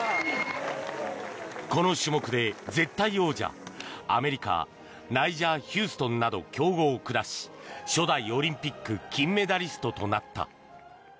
この種目で絶対王者アメリカナイジャ・ヒューストンなど強豪を下し初代オリンピック金メダリストとなった。